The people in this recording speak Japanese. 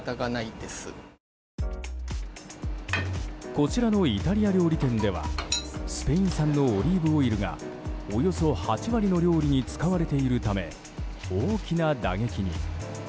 こちらのイタリア料理店ではスペイン産のオリーブオイルがおよそ８割の料理に使われているため大きな打撃に。